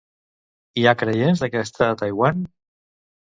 Hi ha creients d'aquesta a Taiwan?